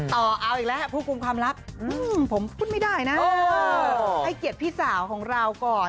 ต่อเอาอีกแล้วผู้คุมความลับผมพูดไม่ได้นะให้เกียรติพี่สาวของเราก่อน